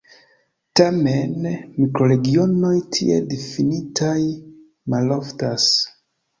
Tamen, mikroregionoj tiel difinitaj maloftas.